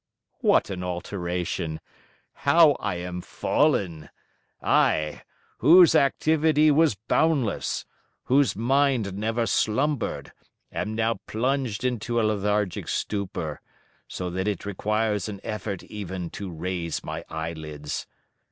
What an alteration! How I am fallen! I, whose activity was boundless, whose mind never slumbered, am now plunged into a lethargic stupor, so that it requires an effort even to raise my eyelids.